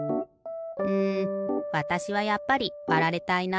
うんわたしはやっぱりわられたいな。